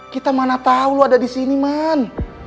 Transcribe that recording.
kita mana tau lo ada disini man